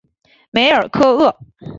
梅尔科厄。